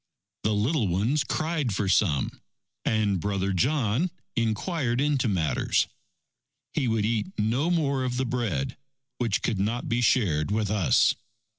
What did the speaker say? The little ones cried for some, and Brother John inquired into matters. He would eat no more of the bread, which could not be shared with us.